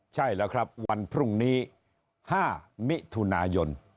ใช่แล้วครับวันพรุ่งนี้๕มิถุนายน